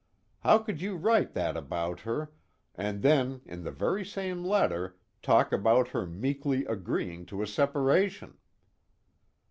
How could you write that about her, and then in the very same letter talk about her meekly agreeing to a separation?"